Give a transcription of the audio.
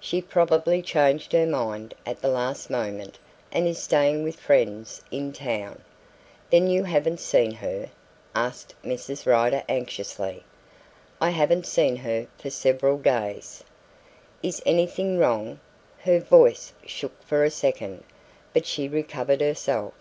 She probably changed her mind at the last moment and is staying with friends in town." "Then you haven't seen her?" asked Mrs. Rider anxiously. "I haven't seen her for several days." "Is anything wrong?" Her voice shook for a second, but she recovered herself.